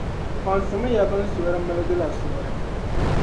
kpaŋsimiya bɛn suhuri miligi la suhuri.